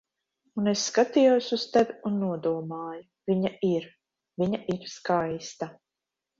Un es skatījos uz tevi un nodomāju: "Viņa ir... Viņa ir skaista."